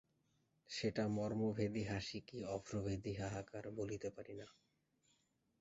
সেটা মর্মভেদী হাসি কি অভ্রভেদী হাহাকার, বলিতে পারি না।